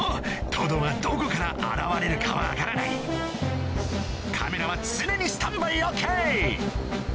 トドはどこから現れるか分からないカメラは常にスタンバイＯＫ